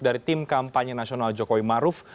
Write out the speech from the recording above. dari tim kampanye nasional jokowi maruf